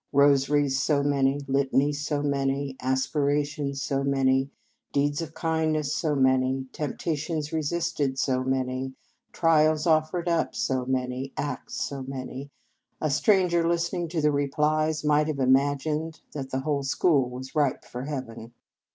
Rosaries, so many. Litanies, so many. Aspirations, so many. Deeds of kind ness, so many. Temptations resisted, so many. Trials offered up, so many. Acts, so many. A stranger, listening to the replies, might have imagined that the whole school was ripe for Heaven.